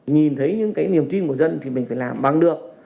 nhìn thấy những cái niềm tin của dân thì mình phải làm bằng được